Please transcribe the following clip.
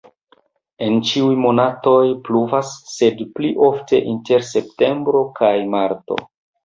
En ĉiuj monatoj pluvas, sed pli ofte inter septembro kaj marto.